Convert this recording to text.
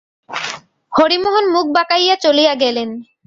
হরিমোহন মুখ বাঁকাইয়া চলিয়া গেলেন।